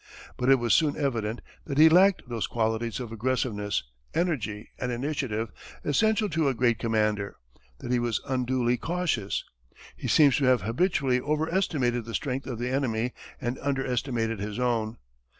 But it was soon evident that he lacked those qualities of aggressiveness, energy, and initiative essential to a great commander; that he was unduly cautious. He seems to have habitually over estimated the strength of the enemy and under estimated his own.